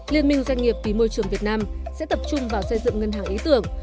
liên minh doanh nghiệp vì môi trường việt nam sẽ tập trung vào xây dựng ngân hàng ý tưởng